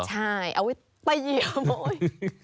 ใช่เอาไว้ตีขโมย